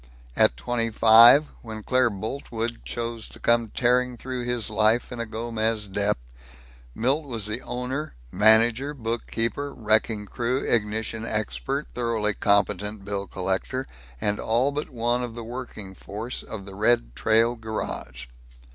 At twenty five, when Claire Boltwood chose to come tearing through his life in a Gomez Dep, Milt was the owner, manager, bookkeeper, wrecking crew, ignition expert, thoroughly competent bill collector, and all but one of the working force of the Red Trail Garage.